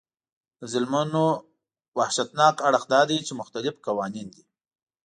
د ظلمونو وحشتناک اړخ دا دی چې مختلف قوانین دي.